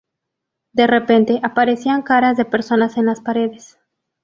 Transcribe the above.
De repente aparecían caras de personas en las paredes.